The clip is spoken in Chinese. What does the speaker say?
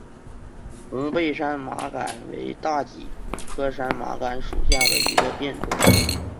红背山麻杆为大戟科山麻杆属下的一个变种。